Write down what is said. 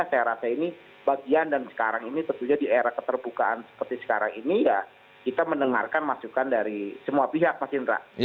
saya rasa ini bagian dan sekarang ini tentunya di era keterbukaan seperti sekarang ini ya kita mendengarkan masukan dari semua pihak mas indra